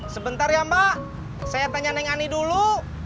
sebentar ya mbak saya tanya neng ani dulu